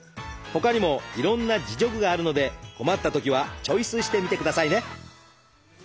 ほかにもいろんな自助具があるので困ったときはチョイスしてみてくださいね。